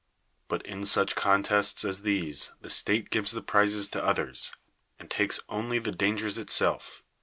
But in such contests as these the state gives the prizes to others, and takes only the dangers it self.